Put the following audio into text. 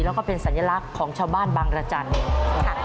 แล้วก็เป็นสัญลักษณ์ของชาวบ้านบางรจันทร์ค่ะ